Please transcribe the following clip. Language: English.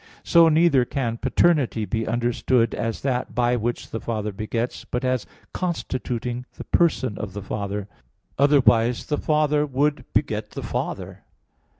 So neither can paternity be understood as that by which the Father begets, but as constituting the person of the Father, otherwise the Father would beget the Father.